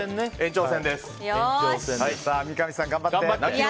三上さん、頑張って。